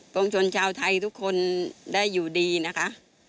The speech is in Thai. วงชนชาวไทยทุกคนได้อยู่ดีนะคะ